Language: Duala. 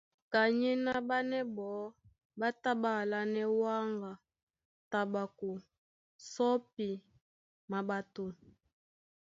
Kanyéná ɓánɛ́ ɓɔɔ́ ɓá tá ɓá alánɛ́ wáŋga, taɓako, sɔ́pi, maɓato.